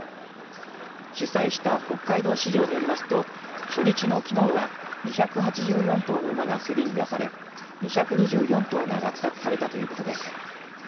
主催した北海道市場によりますと初日のきのうは２８４頭の馬が競りに出され２２４頭が落札されたということです。